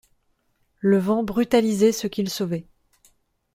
Le vent brutalisait ceux qu’il sauvait.